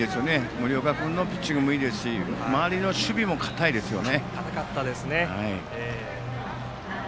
森岡君のピッチングもいいですし周りの守備も堅いですよね。